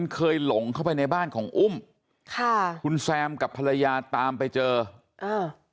เคยหลงเข้าไปในบ้านของอุ้มค่ะคุณแซมกับภรรยาตามไปเจออ่า